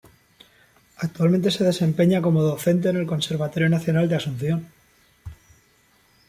Actualmente se desempeña como docente en el Conservatorio Nacional de Asunción.